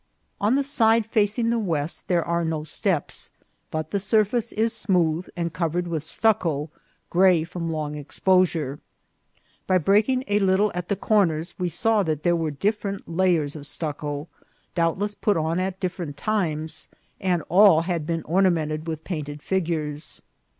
On the side facing the west there are no steps, but the surface is smooth and covered with stuc co, gray from long exposure. By breaking a little at the corners we saw that there were different layers of stucco, doubtless put on at different times, and all had been ornamented with painted figures.